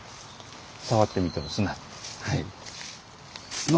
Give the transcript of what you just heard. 触ってみても砂。